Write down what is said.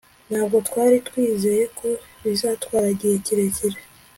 ntabwo twari twiteze ko bizatwara igihe kirekire